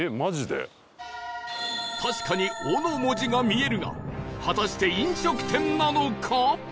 確かに「お」の文字が見えるが果たして飲食店なのか？